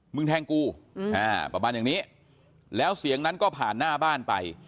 มึงแทงกูประมาณอย่างนี้แล้วเสียงนั้นก็ผ่านหน้าบ้านไป